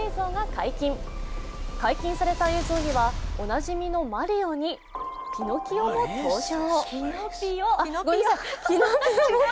解禁された映像にはおなじみのマリオにキノピオも登場。